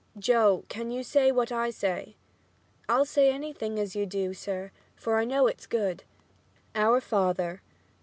"Joe, can you say what I say?" "I'll say anything as you do, sir, for I know it's good." "Our Father."